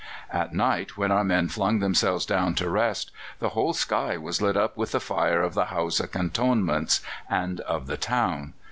At night, when our men flung themselves down to rest, the whole sky was lit up with the fire of the Hausa cantonments and of the town.